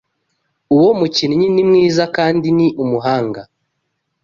Uwo mukinnyi ni mwiza kandi ni umuhanga.